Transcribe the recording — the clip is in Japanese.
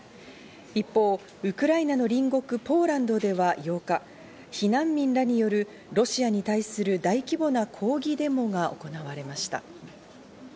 一方、ウクライナの隣国ポーランドでは８日、避難民らによるロシアに対する大規模な抗議デモが行われました。